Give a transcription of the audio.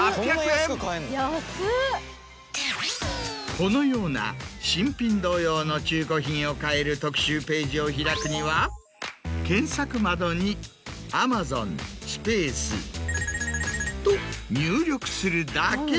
このような新品同様の中古品を買える特集ページを開くには検索窓に「Ａｍａｚｏｎスペース」と入力するだけ。